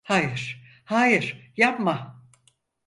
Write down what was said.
Hayır, hayır, yapma.